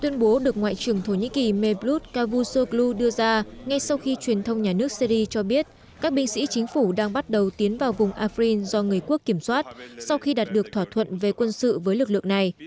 tuyên bố được ngoại trưởng thổ nhĩ kỳ meblut cavusoglu đưa ra ngay sau khi truyền thông nhà nước syri cho biết các binh sĩ chính phủ đang bắt đầu tiến vào vùng afrin do người quốc kiểm soát sau khi đạt được thỏa thuận về quân sự với lực lượng này